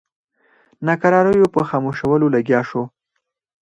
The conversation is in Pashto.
ناکراریو په خاموشولو لګیا شو.